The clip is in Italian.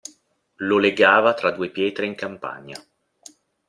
Lo legava tra due pietre in campagna.